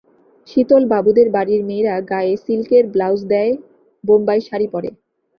শীতলবাবুদের বাড়ির মেয়েরা গায়ে সিল্কের ব্লাউজ দেয়, বোম্বাই শাড়ি পরে।